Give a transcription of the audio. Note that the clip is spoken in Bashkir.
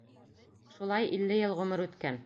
Шулай илле йыл ғүмер үткән.